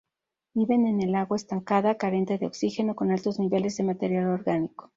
Viven en el agua estancada, carente de oxígeno, con altos niveles de material orgánico.